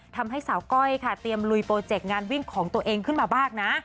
ทำให้สาวก้อยค่ะเตรียมลุยโปรเจกต์งานวิ่งของตัวเองขึ้นมาบ้างนะ